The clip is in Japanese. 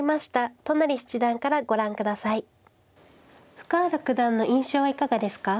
深浦九段の印象はいかがですか。